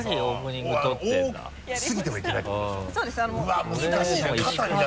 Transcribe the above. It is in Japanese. うわっ難しいな。